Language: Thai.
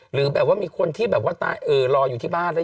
หรือแบบว่ามีคนที่แบบว่ารออยู่ที่บ้านแล้ว